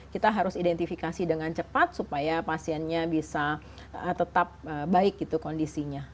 kita harus identifikasi dengan cepat supaya pasiennya bisa tetap baik gitu kondisinya